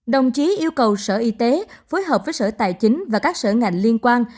đồng chí yêu cầu sở y tế phối hợp với sở tài chính và các sở ngành liên quan